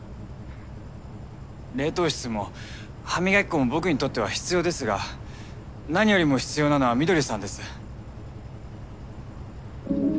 冷凍室も歯磨き粉も僕にとっては必要ですが何よりも必要なのは翠さんです。